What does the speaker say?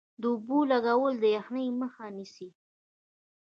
د اوبو لګول د یخنۍ مخه نیسي؟